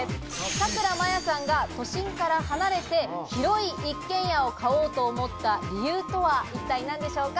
さくらまやさんが都心から離れて広い１軒家を買おうと思った理由とは一体何でしょうか？